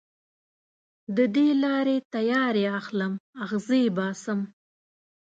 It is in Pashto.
د دې لارې تیارې اخلم اغزې باسم